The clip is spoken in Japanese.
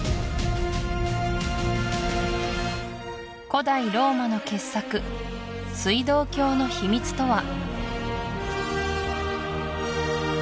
古代ローマの傑作水道橋の秘密とは？